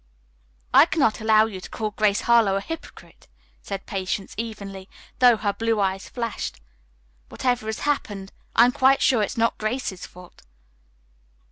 "I cannot allow you to call Grace Harlowe a hypocrite," said Patience evenly, though her blue eyes flashed. "Whatever has happened I am quite sure is not Grace's fault."